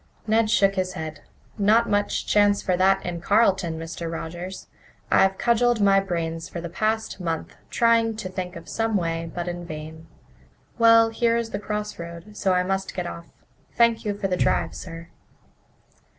Ned shook his head. "Not much chance for that in Carleton, Mr. Rogers. I've cudgelled my brains for the past month trying to think of some way, but in vain. Well, here is the crossroad, so I must get off. Thank you for the drive, sir."